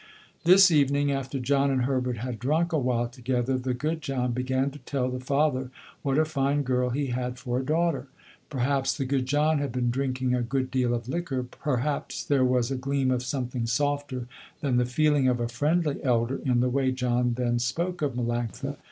This evening after John and Herbert had drunk awhile together, the good John began to tell the father what a fine girl he had for a daughter. Perhaps the good John had been drinking a good deal of liquor, perhaps there was a gleam of something softer than the feeling of a friendly elder in the way John then spoke of Melanctha.